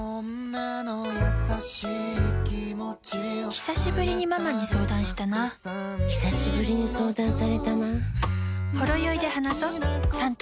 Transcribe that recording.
ひさしぶりにママに相談したなひさしぶりに相談されたな